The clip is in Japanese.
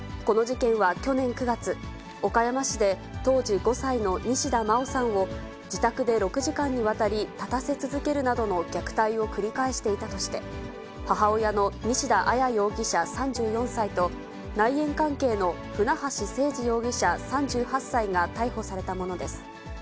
この事件は去年９月、岡山市で当時５歳の西田真愛さんを、自宅で６時間にわたり立たせ続けるなどの虐待を繰り返していたとして、母親の西田彩容疑者３４歳と、内縁関係の船橋誠二容疑者３８歳が逮捕されたものです。